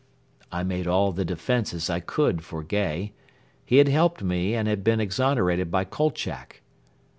I made all the defences I could for Gay. He had helped me and had been exonerated by Kolchak.